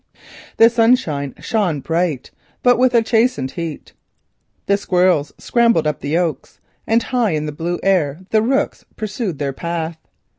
The sunshine shone bright, but with a chastened heat, the squirrels scrambled up the oaks, and high in the blue air the rooks pursued their path.